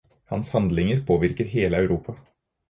Hans handlinger påvirket hele Europa.